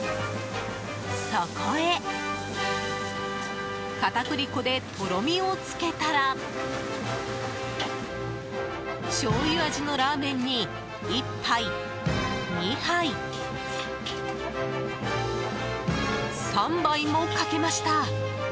そこへ片栗粉でとろみをつけたらしょうゆ味のラーメンに１杯、２杯、３杯もかけました。